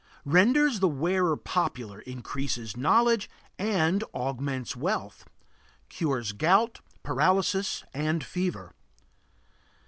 Renders the wearer popular, increases knowledge, and augments wealth. Cures gout, paralysis, and fever.